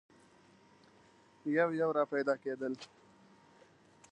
یو یو را پیدا کېدل.